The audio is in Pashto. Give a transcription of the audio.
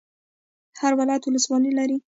هر ولایت ولسوالۍ لري